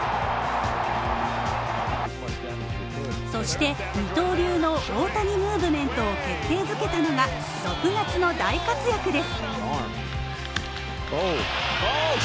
そして、二刀流の大谷ムーブメントを決定づけたのは６月の大活躍です。